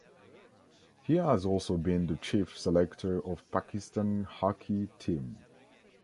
He has also been the Chief Selector of Pakistan hockey team.